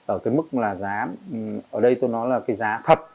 ở cái mức là giá ở đây tôi nói là cái giá thật